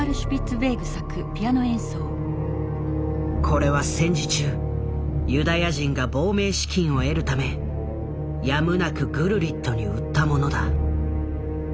これは戦時中ユダヤ人が亡命資金を得るためやむなくグルリットに売ったものだ。